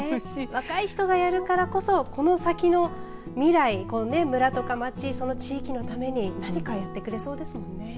若い人がやるからこそこの先の未来村とか町その地域のために何かやってくれそうですもんね。